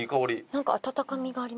なんか温かみがありますね。